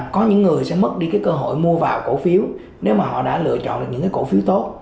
có những người sẽ mất đi cái cơ hội mua vào cổ phiếu nếu mà họ đã lựa chọn được những cái cổ phiếu tốt